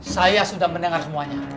saya sudah mendengar semuanya